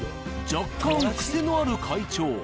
若干癖のある会長。